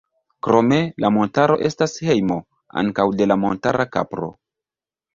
Krome, la montaro estas hejmo ankaŭ de la montara kapro.